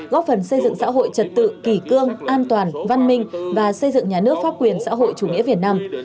góp phần xây dựng xã hội trật tự kỳ cương an toàn văn minh và xây dựng nhà nước pháp quyền xã hội chủ nghĩa việt nam